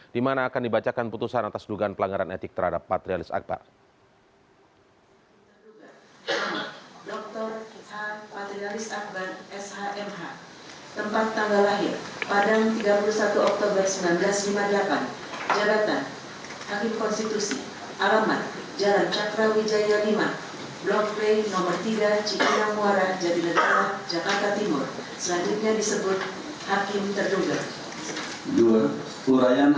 dimana akan dibacakan putusan atas dugaan pelanggaran etik terhadap patrialis akbar